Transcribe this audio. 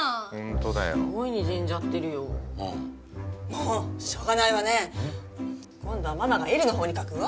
もうしょうがないわね今度はママが栄流の方に書くわ！